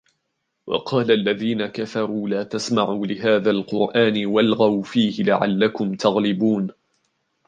وَقَالَ الَّذِينَ كَفَرُوا لَا تَسْمَعُوا لِهَذَا الْقُرْآنِ وَالْغَوْا فِيهِ لَعَلَّكُمْ تَغْلِبُونَ